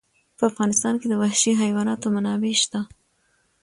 په افغانستان کې د وحشي حیواناتو منابع شته.